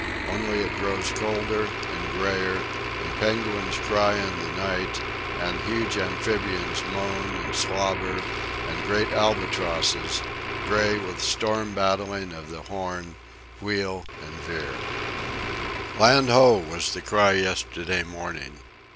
Only it grows colder, and grayer, and penguins cry in the night, and huge amphibians moan and slubber, and great albatrosses, gray with storm battling of the Horn, wheel and veer. "Land ho!" was the cry yesterday morning.